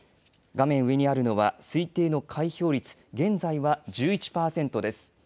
画面上にあるのは推定の開票率、現在は１１％です。